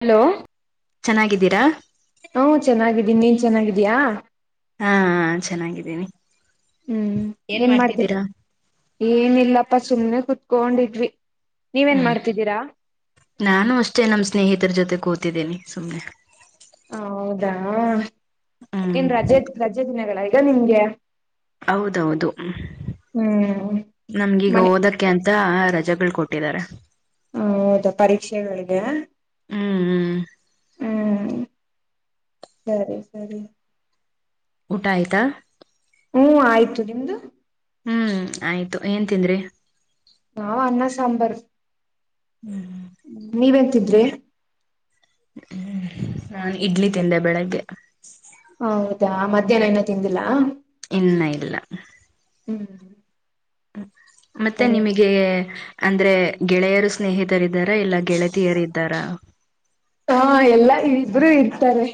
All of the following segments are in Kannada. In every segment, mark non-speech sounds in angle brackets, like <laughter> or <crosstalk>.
ಹಲೋ ಚೆನ್ನಾಗಿದ್ದೀರಾ. ಹ್ಮ ಚೆನ್ನಾಗಿದ್ದೀನಿ ನೀನ್ ಚೆನ್ನಾಗಿದೀಯಾ. ಹಾ ಹಾ ಚೆನ್ನಾಗಿದ್ದೀನಿ ಹ್ಮ್ ಏನ್ ಮಾಡ್ತಿದ್ ಮಾಡ್ತಿದ್ದೀರಾ. ಏನಿಲ್ಲಪ್ಪಾ ಸುಮ್ಮ್ನೆ ಕುೂತ್ಕೊಂಡಿದ್ವಿ ನೀವೇನ್ ಹ್ಮ್ ಮಾಡ್ತಿದ್ದೀರಾ. ನಾನು ಅಷ್ಟೇ ನಮ್ಮ್ ಸ್ನೇಹಿತರ ಜೊತೆ ಕೂತಿದ್ದಿನೆ ಸುಮ್ಮನೆ ಹೌದಾ ಹ್ಮ್ ಏನ್ ರಜೆ ರಜೆ ದಿನಗಳ ಈಗ ನಿಮ್ಗೆ ಹೌದೌಹೌದು ಹ್ಮ್ ನಮ್ಗೀಗ ಮನೆ ಓದಕ್ಕೆ ಅಂತ ರಜೆಗಳು ಕೊಟ್ಟಿದ್ದಾರೆ ಹಾ ಹೌದಾ ಪರೀಕ್ಷೆಗಳಿಗೆ ಹ್ಮ್ ಹ್ಮ್ ಹ್ಮ್ ಸರಿ ಸರಿ ಊಟ ಆಯ್ತಾ. ಹ್ಮ್ ಆಯ್ತು ನಿಮ್ದು ಹ್ಮ್ ಆಯ್ತು ಏನ್ ತಿಂದ್ರಿ ನಾವ ಅನ್ನ ಸಾಂಬಾರ್ ಹ್ಮಞ ನೀವೇನ್ ತಿಂದ್ರಿ ಹ್ಮ ನಾನ್ ಇಡ್ಲಿ ತಿಂದೆ ಬೆಳಗ್ಗೆ. ಹೌದಾ ಮಧ್ಯಾಹ್ನ ಏನ ತಿಂದಿಲ್ಲಾ. ಇನ್ನ ಇಲ್ಲ ಹ್ಮ್ ಮತ್ತೆ ಸರಿ. ನಿಮಗೆ ಅಂದ್ರೆ ಗೆಳೆಯರು ಸ್ನೇಹಿತರ ಇದ್ದಾರ ಇಲ್ಲಾ ಗೆಳತಿಯರ ಇದ್ದಾರ ಹಾ ಎಲ್ಲಾ ಇಬ್ರುೂ ಇರ್ತಾರೆ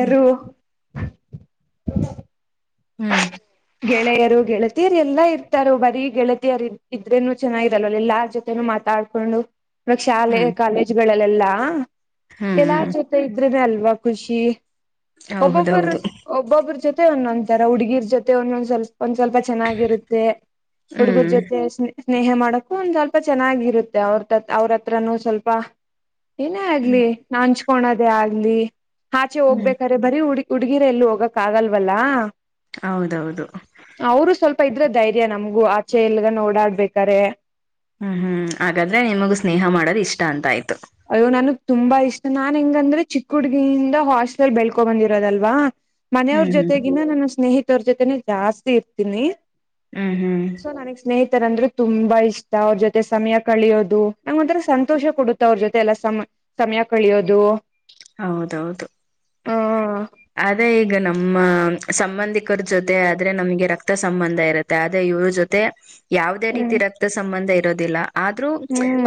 ಹ್ಮ್ ಹ್ಮ್ ಗೆಳೆಯರು ಗೆಳತಿಯರು ಎಲ್ಲಾ ಇರ್ತಾರ ಬರೀ ಗೆಳತಿಯರು ಇದ್ರೇನು ಚೆನ್ನಾಗಿರಲ್ಲ ಎಲ್ಲಾರ ಜೊತೆನೂ ಮಾತಾಡ್ತ ಶಾಲೆ ಹ್ಮ್ ಕಾಲೇಜ್ಗಳಲ್ಲೆಲ್ಲಾ ಹ್ಮ್ ಎಲ್ಲ ಹ್ಮ್ ಜೊತೆ ಇದ್ರನೆ ಅಲ್ವಾ ಖುಷಿ ಒಬ್ಬೊಬ್ಬರು ಹೌದೌದು ಒಬ್ಬೊಬ್ಬ್ರ ಜೊತೆ ಒಂದೊಂದು ತರ ಹುಡುಗಿರ್ ಜೊತೆ ಒಂದೊಂದ್ ಸ್ವಲ್ಪ ಒಂದ್ ಸ್ವಲ್ಪ ಚೆನ್ನಾಗಿರುತ್ತೆ ಹುಡುಗರ್ ಹ್ಮ್ ಜೊತೆ ಸ್ನೇಹೆ ಮಾಡಕ್ಕು ಒಂದ್ ಸ್ವಲ್ಪ ಚೆನ್ನಾಗಿರುತ್ತೆ ಅವ್ರ ಅವ್ರ ಹತ್ರನುೂ ಸ್ವಲ್ಪ ಏನೇ ಆಗ್ಲಿ ಹ್ಮ್ ನಾ ಹಂಚ್ಕಳದೇ ಆಗ್ಲಿ ಆಚೆ ಹ್ಮ್ ಹೋಗ್ಬೇಕ ಬರೀ ಹಡುಗಿ ಹುಡುಗಿರೆ ಎಲ್ಲಿ ಹೋಗಕ್ ಆಗಲ್ವಲ್ಲಾ ಹೌದೌದು ಅವರು ಸ್ವಲ್ಪ ಇದ್ರೆ ಧೈರ್ಯ ನಮ್ಗೂ ಆಚೆ ಎಲ್ಗನೆ ಓಡಾಡ್ಬೇಕಾರೆ ಹ್ಮ್ ಹ್ಮ್ ಹಾಗಾದ್ರೆ ನಿಮಗ ಸ್ನೇಹ ಮಾಡೋದು ಇಷ್ಟ ಅಂತ ಆಯ್ತು ಅಯ್ಯೋ ನನ್ಗ್ ತುಂಬಾ ಇಷ್ಟ ನಾನ್ ಹೆಂಗಂದ್ರ ಚಿಕ್ಕ ಹುಡುಗಿಯಿಂದ ಹಾಸ್ಟೆಲ್ ಬೆಳ್ಕೊ ಬಂದಿರೋದಲ್ವಾ ಮನೆಯವ್ರ ಹ್ಮ್ ಹ್ಮ್ ಜೊತೆಗಿನ ನನ್ನ ಸ್ನೇಹಿತವರ ಜೊತೆನೆ ಜಾಸ್ತಿ ಇರ್ತೀನಿ ಹ್ಮ್ ಹ್ಮ್ ಸೊ ನನಗ್ ಸ್ನೇಹಿತರ ಅಂದ್ರೆ ತುಂಬಾ ಇಷ್ಟ ಅವ್ರ ಜೊತೆ ಸಮಯ ಕಳಿಯೋದು ನಂಗ ಒಂಥರ ಸಂತೋಷ ಕೊಡುತ್ತೆ ಅವ್ರ ಜೊತೆ ಎಲ್ಲ ಸಮ ಸಮಯ ಕಳಿಯೋದು ಹೌದೌದು ಹಾ ಅದೇ ಈಗ ನಮ್ಮ ಸಂಬಂಧಿಕರ ಜೊತೆ ಆದ್ರೆ ನಮಗೆ ರಕ್ತ ಸಂಬಂಧ ಇರತ್ತೆ ಆದೇ ಇವ್ರ ಜೊತೆ ಯಾವುದೇ ಹ್ಮ್ ರೀತಿ ರಕ್ತ ಸಂಬಂಧ ಇರೋದಿಲ್ಲ ಆದ್ರೂ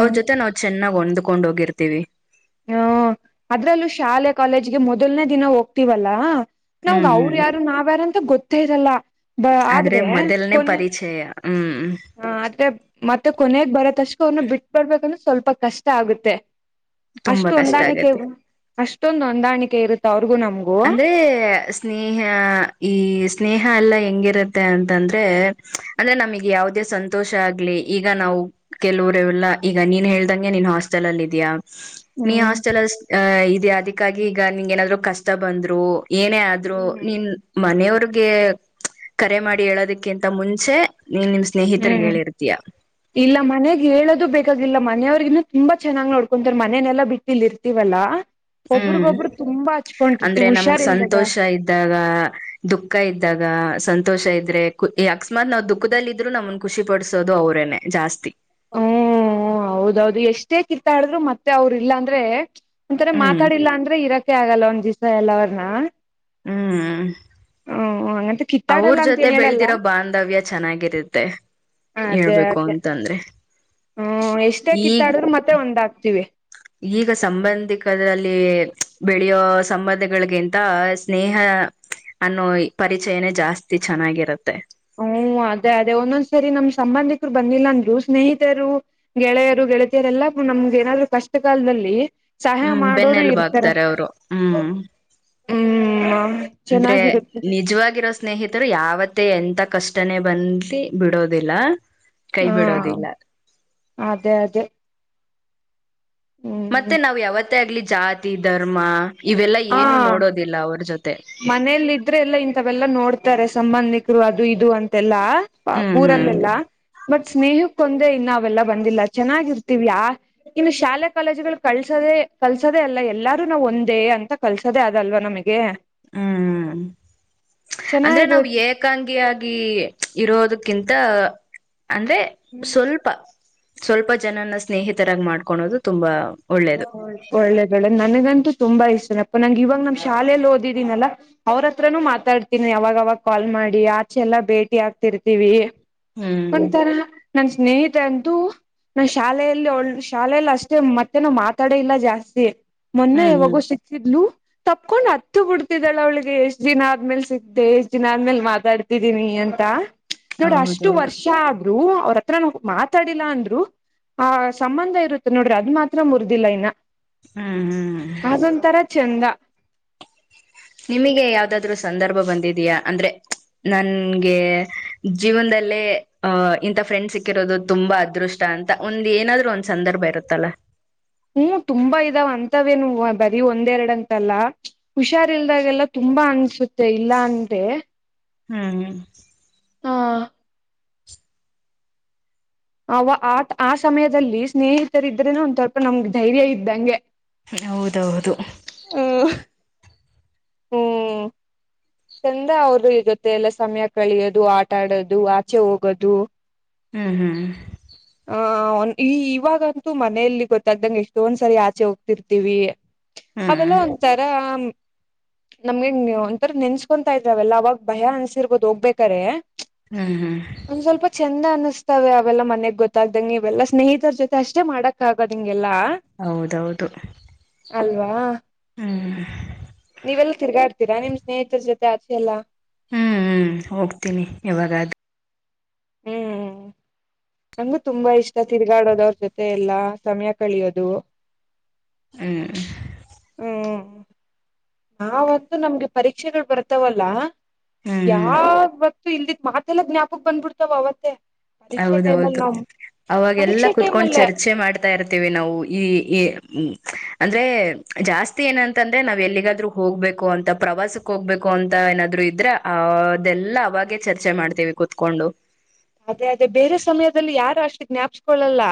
ಅವ್ರ ಜೊತೆ ನಾವು ಚೆನ್ನಾಗ್ ಹೊಂದ್ಕೊಂಡು ಹೋಗಿತಿರ್ವಿ ಹ್ಮ ಅದ್ರಲ್ಲೂ ಶಾಲೆ ಕಾಲೇಜಗೆ ಮೊದಲ್ನೇ ದಿನ ಹೋಗ್ತಿವಲ್ಲ ನಮ್ಗ ಹ್ಮ್ ಅವರು ಹ್ಮ್ ಯಾರು ನಾವ್ಯಾರು ಅಂತ ಗೊತ್ತೆಯಿರಲ್ಲ ಆದ್ರೆ ಮೊದಲನೇ ಪರಿಚಯ ಹ್ಮ್ ಹ ಆದ್ರೆ ಮತ್ತೆ ಕೊನೆಗ ಬರೋ ತಕ್ಷಕ ಅವ್ರನ್ನ ಬಿಟ್ಬಡ್ಬೇಕಂದ್ರೆ ಸ್ವಲ್ಪ ಕಷ್ಟ ಆಗುತ್ತೆ ತುಂಬಾ ಅಷ್ಟು ಕಷ್ಟ ಹೊಂದಾಣಿಕೆ ಆಗತ್ತೆ ಅಷ್ಟೊಂದು ಹೊಂದಾಣಿಕೆ ಇರುತ್ತೆ ಅವ್ರಿಗೂ ನಮ್ಗ ಅಂದ್ರೆ ಸ್ನೇಹ ಈ ಸ್ನೇಹ ಎಲ್ಲ ಹೆಂಗಿರುತ್ತೆ ಅಂತಂದ್ರೆ ಅಂದ್ರೆ ನಮಗೆ ಯಾವುದೇ ಸಂತೋಷ ಆಗ್ಲಿ ಈಗ ನಾವು ಕೆಲವರೆ ಎಲ್ಲಾ ಈಗ ನೀನ್ ಹೇಳ್ದಂಗೆ ನೀನ್ ಹಾಸ್ಟೆಲ್ ಅಲ್ಲಿ ಇದಿಯಾ ನೀ ಹ್ಮ್ ಹಾಸ್ಟೆಲ್ ಅಲ್ಲಿ ಇದಿಯಾ ಅದಕ್ಕಾಗಿ ಈಗ ನಿಂಗ ಏನಾದ್ರು ಕಷ್ಟ ಬಂದ್ರು ಏನೇ ಆದ್ರೂ ನೀನ್ ಮನೆಯವ್ರಗೆ ಕರೆ ಮಾಡಿ ಹೇಳೋದಕ್ಕಿಂತ ಮುಂಚೆ ನೀ ನಿಮ್ ಸ್ನೇಹಿತರಿಗ್ ಹ್ಮ್ ಹೇಳಿರ್ತಿಯಾ ಇಲ್ಲ ಮನೆಗ್ ಹೇಳದು ಬೇಕಾಗಿಲ್ಲ ಮನೆಯವ್ರಿಗನು ತುಂಬಾ ಚೆನ್ನಾಗ್ ನೋಡ್ಕೊಂತರ್ ಮನನೆಲ್ಲಾ ಬಿಟ್ಟಿ ಇಲ್ಲಿ ಇರ್ತೀವಲ್ಲಾ ಹ್ಮ್ ಒಬ್ರಗೊಬ್ರು ತುಂಬಾ ಹಚ್ಕೊಂಡಿರ್ತಿವಿ ಅಂದ್ರೆ ನಮ್ಗ್ ಹುಷಾರಿಲ್ದಾಗ ಸಂತೋಷ ಇದ್ದಾಗ ದುಃಖ ಇದ್ದಾಗ ಸಂತೋಷ ಇದ್ರೆ ಅಕಸ್ಮಾತ್ ನಾವ ದುಃಖದಲ್ಲಿ ಇದ್ರು ನಮ್ನ್ ಖುಷಿ ಪಾಡಿಸೋದು ಅವರೇನೆ ಜಾಸ್ತಿ ಹ್ಮ ಹೌದೌದು ಎಷ್ಟೇ ಕಿತಾಡಿದ್ರು ಮತ್ತೆ ಅವರು ಇಲ್ಲಾಂದ್ರೆ ಒಂತರ ಹ್ಮ್ ಮಾತಾಡಿಲ್ಲ ಅಂದ್ರೆ ಇರಕೆ ಆಗಲ್ಲ ಒಂದ್ ದಿವಸ ಎಲ್ಲಾ ಅವ್ರನ್ನ ಹ್ಮ್ ಹ್ಮ್ ಹಂಗಂತ ಅವ್ರ ಕಿತ್ತಾಡಲ್ಲ ಅಂತ ಜೊತೆ ಏನ್ ಹೇಳಲ್ಲ ಬೆಳದಿರೋ ಬಾಂಧವ್ಯ ಚೆನ್ನಾಗಿರುತ್ತೆ ಅದೇ ಹೇಳ್ಬೇಕು ಅದೇ ಅಂತ ಅಂದ್ರೆ ಹ್ಮ್ ಎಷ್ಟೇ ಕಿತ್ತಾಡ್ರರು ಮತ್ತೆ ಒಂದಾಗ್ತಿವಿ ಈಗ ಸಂಬಂಧಿಕರಲ್ಲಿ ಬೆಳೆಯೋ ಸಂಬಂಧಗಳಗಿಂತ ಸ್ನೇಹ ಅನ್ನೋ ಪರಿಚಯನೇ ಜಾಸ್ತಿ ಚೆನ್ನಾಗಿರುತ್ತೆ ಹೂ ಅದೇ ಅದೇ ಒಂದೊಂದ್ಸರಿ ನಮ್ ಸಂಬಂಧಿಕರು ಬಂದಿಲ್ಲಂದರು ಸ್ನೇಹಿತರು ಗೆಳೆಯರು ಗೆಳತಿಯರೆಲ್ಲ ನಮ್ಗೆ ಏನಾದ್ರು ಕಷ್ಟ ಕಾಲದಲ್ಲಿ ಸಹಾಯ ಹ್ಮ್ ಮಾಡೋರು ಬೆನ್ನೆಲುಬು ಇರ್ತಾರೆ ಆಗ್ತಾರೆ ಅವರು ಹ್ಮ್ ಹೂ ಅಂದ್ರೆ ನಿಜವಾಗಿರೋ ಸ್ನೇಹಿತರು ಯಾವತ್ತೇ ಎಂತ ಕಷ್ಟನೆೇ ಬಂದ ಬಿಡೋದಿಲ್ಲ ಕೈ ಹಾ ಬಿಡೋದಿಲ್ಲ ಅದೇ ಅದೇ ಮತ್ತೆ ಹ್ಮ್ ನಾವ್ ಯಾವತ್ತೇ ಆಗ್ಲಿ ಜಾತಿ ಧರ್ಮ ಇವೆಲ್ಲಾ ಏನು ನೋಡೋದಿಲ್ಲ ಅವ್ರ ಜೊತೆ ಮನೇಲ್ಲ ಇದ್ರೆ ಎಲ್ಲ ಇಂಥವೆಲ್ಲಾ ನೋಡ್ತಾರೆ ಸಂಬಂಧಿಕರು ಅದು ಇದು ಅಂತೆಲ್ಲಾ ಹ್ಮ್ ಹ್ಮ್ ಊರಲ್ಲೆಲ್ಲ ಬಟ್ ಸ್ನೇಹಕ್ಕೊಂದೆ ಇನ್ನಾವೆಲ್ಲ ಬಂದಿಲ್ಲ ಚೆನ್ನಾಗಿರ್ತೀವಿಯಾ ಇನ್ನು ಶಾಲೆ ಕಾಲೇಜುಗಳು ಕಲ್ಸದೆೇ ಕಲ್ಸೋದೆೇ ಅಲ್ಲ ಎಲ್ಲಾರು ನಾವು ಒಂದೇ ಅಂತ ಕಲ್ಸೋದೆೇ ಆದಲ್ವಾ ನಮಗೆ ಹೂ ಅಂದ್ರೆ ಚೆನ್ನಾಗಿರು ನಾವ್ ಏಕಾಂಗಿಯಾಗಿ ಇರೋದಕ್ಕಿಂತ ಅಂದ್ರೆ ಸ್ವಲ್ಪ ಸ್ವಲ್ಪ ಜನನ್ನ ಸ್ನೇಹಿತರಾಗಿ ಮಾಡ್ಕೊಳೋದು ತುಂಬಾ ಒಳ್ಳೇದು ಒಳ್ಳೇದ ಒಳ್ಳೆ್ ನನಗಂತೂ ತುಂಬಾ ಇಷ್ಟನಪ್ಪ ನಂಗೆ ಇವಾಗ ನಮ್ ಶಾಲೇೆಯಲ್ಲಿ ಓದಿದೀನಲ್ಲಾ ಅವ್ರತ್ರನುೂ ಮಾತಾಡ್ತೀನಿ ಯಾವಾಗವಾಗ ಕಾಲ್ ಮಾಡಿ ಆಚೆಲ್ಲಾ ಭೇಟಿ ಆಗ್ತಿರ್ತೀವಿ ಹ್ಮ್ ಒಂಥರ ನನ್ ಸ್ನೇಹಿತ ಅಂತೂ ನಾ ಶಾಲೆಯಲ್ಲಿ ಒಳ್ಳ ಶಾಲೆಯಲ್ಲಿ ಅಷ್ಟೇ ಮತ್ತೆನ ಮಾತಾಡೇ ಇಲ್ಲ ಜಾಸ್ತಿ ಮೊನ್ನೆ ಹ್ಮ್ ಹ್ಮ್ ಯಾವಾಗೋ ಸಿಕ್ತಿದ್ಲು ತಪ್ಕೊಂಡ್ ಹತ್ತು ಬಿಡ್ತಿದಾಳ ಅವಳಿಗೆ ಎಷ್ಟ್ ದಿನ ಆದ್ಮೇಲ್ ಸಿಕ್್ದ ಎಷ್ಟ್ ದಿನ ಆದ್ಮೇಲ್ ಮಾತಾಡ್ತ ೀನಿ ಅಂತ ನೋಡ ಅಷ್ಟ ಹೌದೌದು ಕ್ಯಾದ್ರು ಅವರತ್ರ ನೊ ಮಾತಾಡಿಲ್ಲ ಅಂದ್ರು ಆ ಸಂಬಂಧ ಇರುತ್ತ ನೋಡ್ರಿ ಅದು ಮಾತ್ರ ಮುರಿದಿಲ್ಲ ಇನ್ನ ಹ್ಮ್ ಹ್ಮ್ ಅದೊಂಥರ ಚಂದ ನಿಮಗೆ ಯಾವುದಾದರೂ ಸಂದರ್ಭ ಬಂದಿದೆಯಾ ಅಂದ್ರೆ ನನ್ ಗೆ ಜೀವನದಲ್ಲಿ ಅಂ ಇಂತ ಫ್ರೆಂಡ್ ಸಿಕ್ಕಿರೋದು ತುಂಬಾ ಅದೃಷ್ಟ <unintelligible> ಟ ಅಂತ ಒಂದ್ ಏನಾದ್ರೂ ಸಂದರ್ಭ ಇರುತ್ತಲ್ಲ ಹೂ ತುಂಬಾ ಇದಾವ್ ಅಂತವೇನು ಬರೀ ಒಂದೆರೆಡ್ ಅಂತಲ್ಲಾ ಹುಷಾರ್ ಇಲ್ದಾಗೆಲ್ಲ ತುಂಬಾ ಅನ್ಸುತ್ತೆ ಇಲ್ಲಾ ಅಂದ್ರೆ ಹೂ ಹೂ ಹಾ ಅವ್ ಆಟ್ ಆ ಸಮಯದಲ್ಲಿ ಸ್ನೇಹಿತರಿದ್ರೇನೆ ಒಂದ್ ಸ್ವಲ್ಪ ನಮ್ಗೆ ಧೈರ್ಯ ಇದ್ದಾಂಗೆ ಹೌದು ಹೌದು ಹೂ ಚಂದ ಅವರ್ದು ಇರುತ್ತೆ ಎಲ್ಲ ಸಮಯ ಕಳೆಯೋದು ಆಟ ಆಡೋದು ಆಚೆ ಹೋಗೋದು ಹೂ ಹೂ ಹಾ ಈಇವಾಗಂತೂ ಮನೆಯಲ್ಲಿ ಗೊತ್ತಾಗ್ದಂಗೆ ಎಷ್ಟೊಂದು ಸರಿ ಆಚೆ ಹೋಗ್ತಿರ್ತೀವಿ. ಹ್ಮ್ ಅವೆಲ್ಲ ಒಂತರಾ ನಮ್ಗೆನ್ ಒಂಥರ ನೆನ್ಸ್ಕೊಂತಾ ಇದ್ರಾವೆಲ್ಲ ಅವಾಗ ಭಯ ಅನ್ಸಿರ್ಬೋದು ಹೋಗ್ಬೇಕಾರೆೆ. ಹೂ ಹೂ ಒಂದ್ ಸ್ವಲ್ಪ ಚಂದ ಅನಿಸ್ತಾವೆ ಅವೆಲ್ಲ ಮನೆಗ್ ಗೊತ್ತ ಗೊತ್ತಾಗದಂಗೆ ಇವೆಲ್ಲಾ ಸ್ನೇಹಿತರ ಜೊತೆ ಅಷ್ಟೇ ಮಾಡಕ್ ಆಗೋದ ಇಂಗೆಲ್ಲಾ ಹೌದ್ ಹೌದು ಅಲ್ವಾ ಹ್ಮ ನೀವೆಲ್ ತಿರ್ಗಾಡ್ತೀರಾ ನಿಮ್ ಸ್ನೇಹಿತರ ಜೊತೆ ಆಚೆಯಲ್ಲಾ ಹ್ಮ ಹೋಗ್ತೀನಿ ಯಾವಾಗಾದ್ ಹ್ಮ್ ನಂಗು ತುಂಬಾ ಇಷ್ಟ ತಿರುಗಾಡೋದ ಅವ್ರ ಜೊತೆ ಎಲ್ಲಾ ಸಮಯ ಕಳಿಯೋದು ಹ್ಮ ಹ್ಮ ನಾವಂತ ನಮ್ಗೆ ಪರೀಕ್ಷೆಗಳು ಬರ್ತಾವಲ್ಲ ಹ್ಮ್ ಹ್ಮ್ ಯಾವ ಇಲ್ಲಿತ್ ಮತ್ತೆಲ್ಲ ಜ್ಞಾಪಕ್ ಬಂದ್ಬಿಡ್ತಾವ ಅವತ್ತೆ ಪರೀಕ್ಷೆ ಟೈಮಲ್ಲಿ ಹೌದೌದು ನಾವ್ ಅವಾಗ ಎಲ್ಲ ಪರೀಕ್ಷೆ ಟೈಮ್ ಕುೂತ್ಕೊಂಡ್ ಅಲ್ಲೇ ಚರ್ಚೆ ಮಾಡ್ತ ಹತಾ ಇರ್ತೇವಿ ನಾವು ಈ ಈ್ಮ ಅಂದ್ರೆ ಜಾಸ್ತಿ ಏನಂತಂದ್ರೆ ನಾವ್ ಎಲ್ಲಿಗಾದ್ರೂ ಹೋಗ್ಬೇಕು ಅಂತ ಪ್ರವಾಸಕ್ ಹೋಗ್ಬೇಕು ು ಅಂತ ಏನಾದ್ರು ಇದ್ರ ಅ ಅದೆಲ್ಲ ಅವಾಗೆ ಚರ್ಚೆ ಮಾಡ್ತೇವಿ ಕುೂತ್ಕೊಂಡು ಅದೇ ಅದೇ ಬೇರೆ ಸಮಯದಲ್ಲಿ ಯಾರು ಅಷ್ಟ ಜ್ಞಾಪಿಸಕೊಳ್ಳಲ್ಲ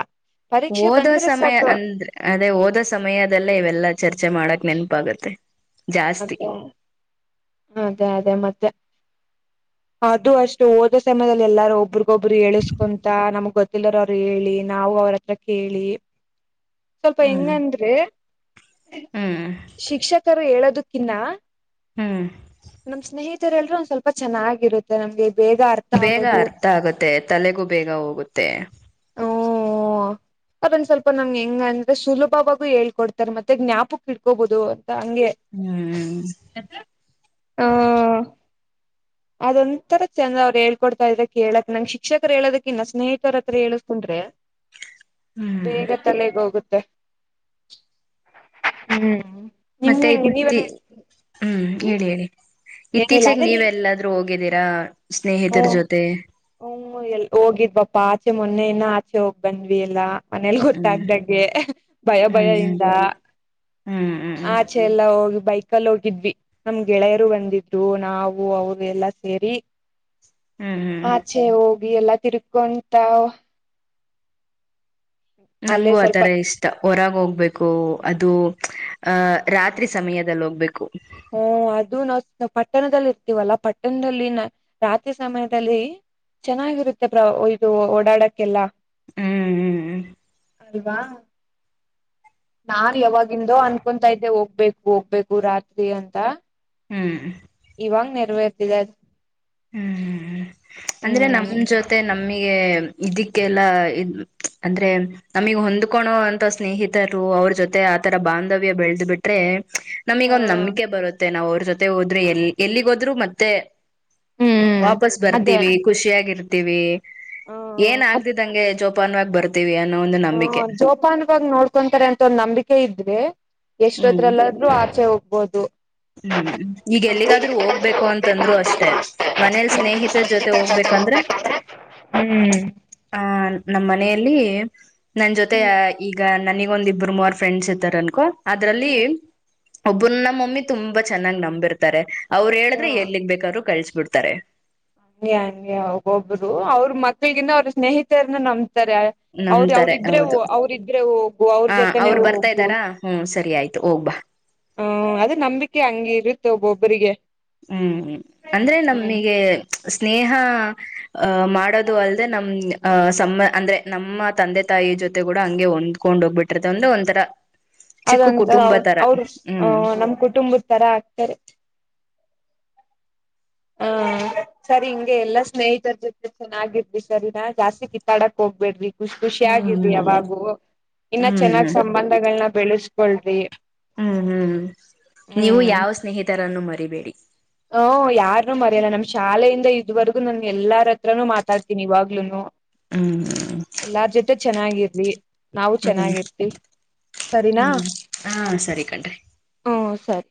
ಓದೋ ಸಮಯ ಅಂದ್ರೆ ಅದೇ ಹೋದ ಸಮಯದಲ್ಲೇ ಇವೆಲ್ಲಾ ಚರ್ಚೆ ಮಾಡಕ್ ನೆನಪಾಗತ್ತೆ ಅ ಜಾಸ್ತಿ ಅದೇ ಅದೇ ಮತ್ತೆ ಅದು ಅಷ್ಟು ಓದ ಸಮಯದಲ್ಲಿ ಎಲ್ಲಾರು ಒಬ್ರಗೊಬ್ರು ಎಳಸ್ಕೊಂತ ನಮ್ಗ್ ಗೊತ್ತಿಲ್ಲರರು ಅವ್ರು ಹೇಳಿ ನಾವು ಅವ್ರ ಹತ್ರ ಕೇಳೇಳಿ ಸ್ವಲ್ಪ ಹ್ಮ್ ಹೆಂಗಂದ್ರೆ ಹ್ಮ್ ಶಿಕ್ಷಕರು ಹೇಳೋದಕ್ಕಿನ್ನ ಹ್ಮ್ ನಮ್ ಸ್ನೇಹಿತರೆಲ್ಲರೂ ಒಂದ್ ಸ್ವಲ್ಪ ಚೆನ್ನಾಗಿರುತ್ತೆ ನಮ್ಗೆ ಬೇಗ ಅರ್ ಬೇಗ ಅರ್ಥ ಆಗುತ್ತೆ ತಲೆಗೂ ಬೇಗ ಹೋಗುತ್ತೆ ಓ ಅದಂದ್ ಸ್ವಲ್ಪ ನಮ್ಗೆ ಹೆಂಗ ಅಂದ್ರೆ ಸುಲಭವಾಗೂ ಹೇಳ್ಕೊಡ್ತಾರೆ ಮತ್ತೆ ಜ್ಞಾಪಕ್ ಇಡ್ಕೋಬಹುದು ಅಂತ ಹಂಗೆ ಹ್ಮ್ ಹಾ ಅದೊಂಂತರ ಚಂದ್ರ್ರು ಹೇಳ್ಕೊಡ್ತ ಇದ ಕ ಹೇಳಕ್ ನಂಗಗೆ ಶಿಕ್ಷಕರು ಹೇಳೋದಕ್ ಇಾ ಸ್ನೇಹಿತರ ಹತ್ರ ಹೇಳ ಕು್ರೆ ಹ್ಮ್ ಬೇಗ ತಲೆಗೆ ಹೋಗುತ್ತೆ ಹ್ಮ್ ಮತ್ತೆ ನಿಮ್ಗೆ ಹೆಂಗೆ ಐತಿ ನೀವೆಲ್ಲ ಹ್ಮ್ ಹೇಳಿ ಹೇಳಿ ಏನಿಲ್ಲ ಇತ್ತೀಚೆಗೆ ಅದೇ ನೀ ನೀವೆ ಎಲ್ಲಾದ್ರೂ ಹೋಗಿದ್ದೀರಾ ಸ್ನೇಹಿತರ ಹ್ಮ ಜೊತೆ <unintelligible> ಹ್ಮ್ ಎಲ್ ಹೋಗಿಪೆಪಾ ಆಚೆ ಮೊನ್ನೆ ಇನ್ನ ಆಚೆ ಹೋಗ್ ಬಂದ್ವಿ ಎಲ್ಲಾ <unintelligible> ಮನೇಲಿ ಹ್ಮ್ ಗೊತ್ತಾಗ್ದಂಗೆ ಭಯ ಭಯ ಹ್ಮ್ ಇಂದಾ <unintelligible> ಹ್ಮ್ <unintelligible> ಆಚೆ ಎಲ್ಲ ಹೋಗಿ ಬೈಕಲ್ಲಿ ಹೋಗಿದ್ವಿ <unintelligible> ನಮ್ ಗೆಳೆಯರು ಬಂದಿದ್ರು ನಾವು ಅವರು ಎಲ್ಲಾ ಸೇರಿ <unintelligible> ಹ್ಮ್ ಹ್ಮ್ <unintelligible> ಹೇ ಹೋಗಿ ಎಲ್ಲಾ ತಿರ್ಕೊಂತ <unintelligible> ಅಲ್ಲೇ ನಂಗು ಸ್ವಲ್ಪ ಆಥರ ಇಷ್ಟ <unintelligible> ಹೊರಗೆ ಹೋಗ್ಬೇಕು ಅದು ಅಹ ರಾತ್ರಿ ಸಮಯದಲ್ಲಿ ಹೋಗ್ಬೇಕು <unintelligible> ಹಓ ಅದು ನಾವು ಪಟ್ಟಣದಲ್ಲಿ ಇರ್ತೀವಲ್ಲ ಪಟ್ಟಣದಲ್ಲಿ ನ ರಾತ್ರಿ ಸಮಯದಲ್ಲಿ <unintelligible> ಚೆನ್ನಾಗಿರುತ್ತೆ ಪ್ಬ್ರೊ ಇದು ಓಡಾಡಕ್ಕೆಲ್ಲ <unintelligible> ಹ್ಮ್ ಹ್ಮ್ <unintelligible> ಅಲ್ವಾ <unintelligible> ನಾನ್ ಯಾವಾಗಿಂದೋ ಅನ್ಕೊತ ಇದ್ದೆ ಹೋಗ್ಬೇಕು ಹೋಗ್ಬೇಕು ರಾತ್ರಿ ಅಂತ <unintelligible> ಹ್ಮ್ ಇವಾಗ ನೆರವೇರ್ತಿದೆ ಅದ್ ಹ್ಮ್ ಹ್ಮ್ ಅಂದ್ರೆ ನಮ್ ಹ್ಮ್ ನಮ್ ಜೊತೆ ನಮಗೆ ಇದಕ್ಕೆಲ್ಲ ಅಂದ್ರೆ ನಮಗ್ ಹೊಂದ್ಕೊಳ್ಳೋ ಅಂತ ಸ್ನೇಹಿತರು ಅವ್ರ ಜೊತೆ ಆತರ ಬಾಂಧವ್ಯ ಬೆಳೆದ ಬಿಟ್ಟ್ ನಮಗೆ ಒಂದ್ ನಂಬಿಕೆ ಬರುತ್ತೆ ನಾವ್ ಅವ್ರ ಜೊತೆ ಹೋದ್ರು ಎ ಎಲ್ಲಿಗೋದ್ರು ಮತ್ತೆ ಹ್ಮ್ ವಾಪಸ್ ಅದೇ ಬರ್ತಿವಿ ಖುಷಿಯಾಗಿ ಇರ್ತೀವಿ ಏನ್ ಆಗ್ದಿದ್ದಂಗೆ ಜೋಪಾನುವಾಗ ಬರ್ತ್ ತೀವಿ ಅನೊ ಒಂದ್ ಹ್ ಜೋಪಾನ್ ವಾಗಿ ನೋಡ್ ಕಕೊಂತಾರೆ ಅಂತ ನಂಬಿಕೆ ಇದ್ರೆ ಎಷ್ಟ್ ಹತ್ರಲ್ಲಾದ್ರೂ ಆಚೆ ಹೋಗ್ಬೋದು. ಹ್ಮ್ ಈಗ ಎಲ್ಲಿಗಾದ್ರೂ ಹೋಗ್ಬೇಕು ಅಂತಂದ್ರು ಅಷ್ಟೇ. ಮನೇಲ್ಲಿ ಸ್ನೇಹಿತರ ಜೊತೆ ಹೋಗ್ಬೇಕಂದ್ರೆ. ಹ್ಮ್ ಆ ನಮ್ಮ ಮನೆಯಲ್ಲಿ ನನ್ ಜೊತೆ ಹ್ಮ್ ಈಗ ನನಿಗೊಂದು ಇಬ್ಬರು ಮೂವರ್ ಫ್ರೆಂಡ್ಸ್ ಇತಾರ ಅನ್ಕೊ ಅದ್ರಲ್ಲಿ ಒಬ್ಬರನ ಮಮ್ಮಿ ತುಂಬಾ ಚೆನ್ನಾಗ್ ನಂಬಿರ್ತಾರೆ. ಅವ್ರು ಹ ಹೇಳಿದ್ರೆ ಎಲ್ಲಿಗ್ ಬೇಕಾದ್ರು ಕಳಸ್ ಬಿಡ್ತಾರೆ. ಯಂಗೆ ಒಬ್ರು ಅವ್ರ ಮಕ್ಳಗಿಂದ ಅವ್ರ ಸ್ನೇಹಿತರನ್ನೆ ನಂಬ್ತಾರೆ. ಅವ್ರ ನಂಬ್ತಾರೆ ಅವ್ರಿದ್ರೆ ಹೌದು ಅವ್ರ ಇದ್ರೆ ಹೋಗು ಅವ್ರ ಹ ಜೊತನೆೇ ಅವ್ರು ಬರ್ತಾ ಹೋಗು. ಇದ್ದಾರಾ ಹ್ಮ್ ಸರಿ ಆಯ್ತು ಹೋಗ್ಬಾ ಹ್ಮ್ ಅದು ನಂಬಿಕೆ ಹಂಗ್ ಇರುತ್ತೆ ಒಬ್ಬೊಬ್ಬರಿಗೆ. ಹ್ಮ್ ಅಂದ್ರೆ ಹ್ಮ್ ನಮಿಗೆ ಸ್ನೇಹ ಹ ಮಾಡೋದು ಅಲ್ದೆ ನಮ್ ಅ ಸಮ್ಮ ಅಂದ್ರೆ ನಮ್ಮ ತಂದೆ ತಾಯಿ ಜೊತೆ ಕೂಡ ಹಂಗೆ ಒಂದ್ ಕೊಂಡ ಹೋಗ್ಬಿರ್ತದಂದ್ರೆ ಒಂತರ ಅದೊಂತರ ಅವರು ಹ್ಮ್ ಅ ನಮ್ ಕುಟುಂಬದ ತರ ಆಗ್ತಾರೆ. ಹ ಸರಿ ಹಿಂಗೆ ಎಲ್ಲಾ ಸ್ನೇಹಿತರ ಜೊತೆ ಚೆನ್ನಾಗಿದ್ರಿ ಸರಿ ನಾ ಜಾಸ್ತಿ ಕಿತ್ತಾಡಕ್ ಹೋಗ್ಬೇಡ್ರಿ. ಖುಷಿ ಖುಷಿಯಾಗಿರಿ ಹ್ಮ್ ಅವಾಗು ಇನ್ನ ಹ್ಮ್ ಚೆನ್ನಾಗ್ ಸಂಬಂಧಗಳನ್ನ ಬೆಳೆಸ್ಕೊಳ್ರಿ. ಹ್ಮ್ ಹ್ಮ್ ನೀವು ಹ್ಮ್ ಯಾವ್ ಸ್ನೇಹಿತರನ್ನು ಮರಿಬೇಡಿ. ಹ್ಮ್ ಯಾರನೂ ಮರೆಯಲ್ಲ ನಮ್ ಶಾಲೆಯಿಂದ ಇದುವರೆಗೂ ನನ್ ಎಲ್ಲಾರ ಹತ್ರನೂ ಮಾತಾಡ್ತೀನಿ ಇವಾಗ್ಲೂನು. ಹ್ಮ್ ಎಲ್ಲಾರ್ ಜೊತೆ ಚೆನ್ನಾಗಿರಿ. ನಾವು ಹ್ಮ್ ಚೆನ್ನಾಗಿರ್ತೀವಿ ಸರಿನಾ ಹ್ಮ್ ಹಾ ಸರಿ ಕಣ್ರಿ ಹ್ಮ್ ಸರಿ.